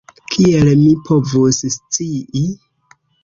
Kiel mi povus scii?